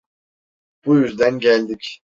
Bu yüzden geldik.